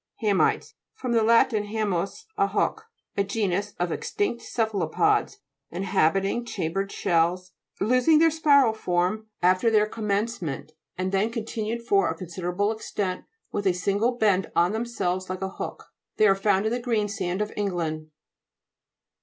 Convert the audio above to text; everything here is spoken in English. KA'MITES fr. lat. hamus, a hook. A genus of extinct cephalopods, inhabiting chambered shells, losing their spiral form after their com GLOSSARY. GEOLOGY. 223 mencement, and then continued for a considerable extent with a single bend on themselves like a hook. They are found in the greensand of England.